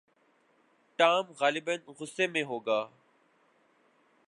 Tom غالباً غصے میں ہوگا۔